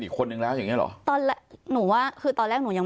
อีกคนนึงแล้วอย่างเงี้เหรอตอนแรกหนูว่าคือตอนแรกหนูยัง